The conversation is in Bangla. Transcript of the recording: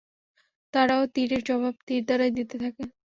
তারাও তীরের জবাব তীর দ্বারাই দিতে থাকে।